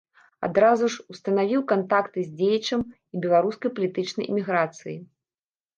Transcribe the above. Адразу ж устанавіў кантакты з дзеячам і беларускай палітычнай эміграцыі.